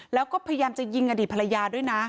แล้วก็พยายามจะยิงอดีตภรรยาด้วยนะ